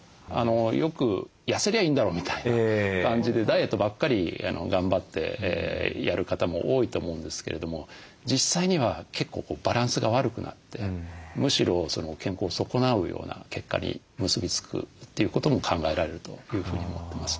よく「やせりゃいいんだろ」みたいな感じでダイエットばっかり頑張ってやる方も多いと思うんですけれども実際には結構バランスが悪くなってむしろ健康を損なうような結果に結び付くということも考えられるというふうに思ってます。